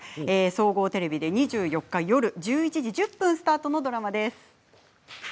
総合テレビで２４日夜１１時１０分スタートです。